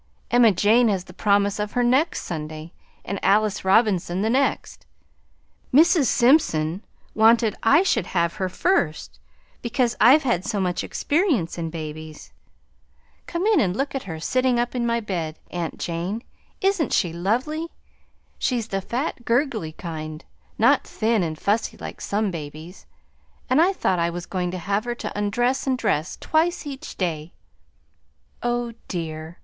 Emma Jane has the promise of her next Sunday and Alice Robinson the next. Mrs. Simpson wanted I should have her first because I've had so much experience in babies. Come in and look at her sitting up in my bed, aunt Jane! Isn't she lovely? She's the fat, gurgly kind, not thin and fussy like some babies, and I thought I was going to have her to undress and dress twice each day. Oh dear!